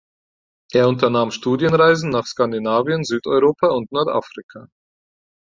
Er unternahm Studienreisen nach Skandinavien, Südeuropa und Nordafrika.